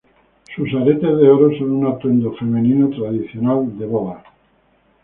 Sus aretes de oro son un atuendo femenino tradicional de boda.